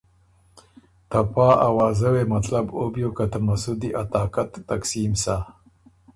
ته پا اوازۀ وې مطلب او بیوک که ته مسُودی ا طاقت تقسیم سۀ